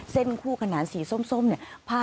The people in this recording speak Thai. แส้นคู่ขนาดสีส้มเนี่ย